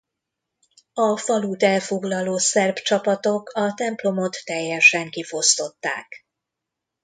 A falut elfoglaló szerb csapatok a templomot teljesen kifosztották.